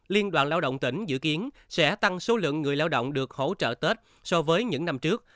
liên đoàn lao động tỉnh dự kiến sẽ tăng số lượng người lao động được hỗ trợ tết so với những năm trước